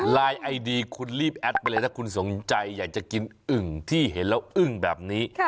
ไอดีคุณรีบแอดไปเลยถ้าคุณสนใจอยากจะกินอึ่งที่เห็นแล้วอึ้งแบบนี้